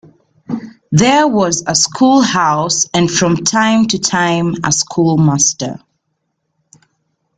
There was a school-house and from time to time a schoolmaster.